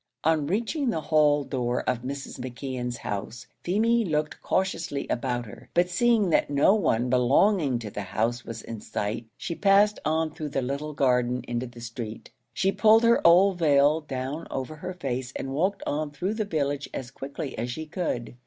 On reaching the hall door of Mrs. McKeon's house Feemy looked cautiously about her, but seeing that no one belonging to the house was in sight, she passed on through the little garden into the street. She pulled her old veil down over her face, and walked on through the village as quickly as she could.